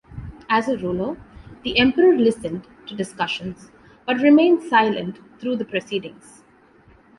As a ruler, the emperor listened to discussions, but remained silent through the proceedings.